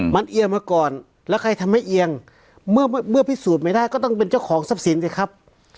มันเอียงมาก่อนแล้วใครทำให้เอียงเมื่อพิสูจน์ไม่ได้ก็ต้องเป็นเจ้าของทรัพย์สินสิครับ